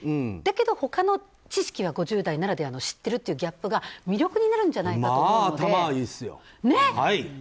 だけど他の知識は５０代ならではの知っているというギャップが魅力になるんじゃないかとまあ頭はいいですよ。